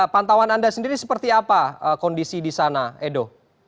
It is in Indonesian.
pantauan anda sendiri seperti apa kondisi di sana edo